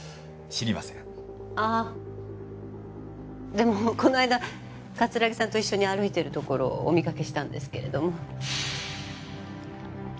でもこのあいだ葛城さんと一緒に歩いているところをお見かけしたんですけれども。